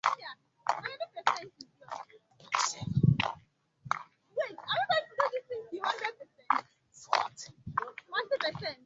ihe nkwàdo na ihe enyemaka dị icheiche nyegara ọtụtụ ndị ụwa na-atụ n'ọnụ